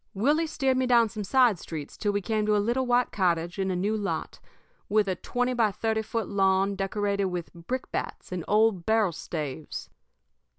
"Willie steered me down some side streets till we came to a little white cottage in a new lot with a twenty by thirty foot lawn decorated with brickbats and old barrel staves.